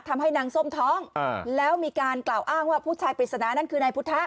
ทำให้นางส้มท้องแล้วมีการกล่าวอ้างว่าผู้ชายปริศนานั่นคือนายพุทธะ